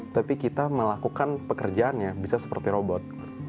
tapi kita melakukan pekerjaannya bisa seperti robot